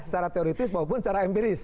secara teoritis maupun secara empiris